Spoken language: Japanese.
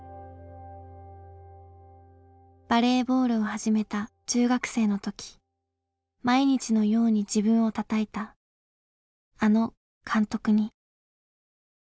バレーボールを始めた中学生の時毎日のように自分をたたいたあの監督に。